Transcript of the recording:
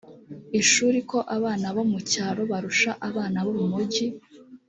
ishuri ko abana bo mu cyaro barusha abana bo mu mugi